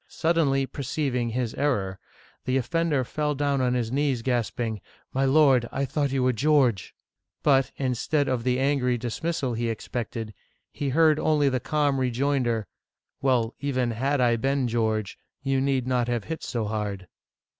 Suddenly perceiving his error, the offender fell down on his knees, gasping, My lord, I thought you were George !" But, instead of the angry dis mi^al he expected, he heard only the calm rejoinder, " Well, even had I been George, you need not have hit so hard